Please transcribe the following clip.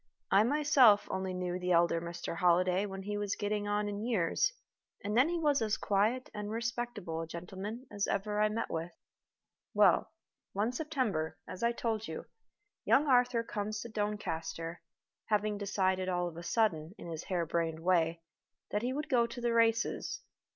I myself only knew the elder Mr. Holliday when he was getting on in years, and then he was as quiet and as respectable a gentleman as ever I met with. Well, one September, as I told you, young Arthur comes to Doncaster, having decided all of a sudden, in his hare brained way, that he would go to the races.